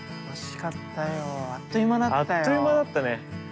あっという間だったね。